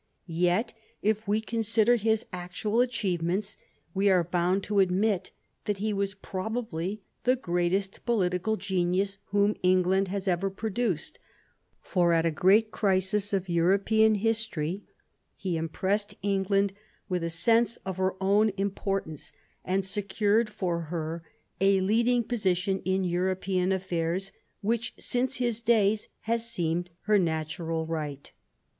Yet, if we consider his actual achievements, we are bound to admit that he was probably the greatest pohtical genius whom England has ever produced ; for at a great crisis of European history he impressed England with a sense of her own importance, and secured for her a leading position in European affairs, which since his days has seemed her natural right.